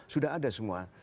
sudah ada semua